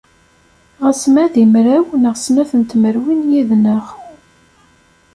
Ɣas ma deg mraw neɣ snat n tmerwin yid-neɣ.